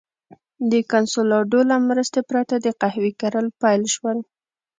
د کنسولاډو له مرستې پرته د قهوې کرل پیل شول.